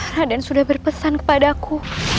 raden sudah berpesan kepadaku